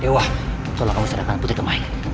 dewa seolah kamu serahkan putri kemahin